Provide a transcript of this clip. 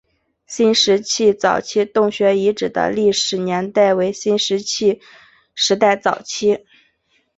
新石器早期洞穴遗址的历史年代为新石器时代早期。